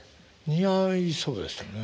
似合いそうですよね。